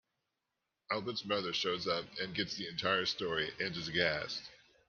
Albert's mother shows up and gets the entire story and is aghast.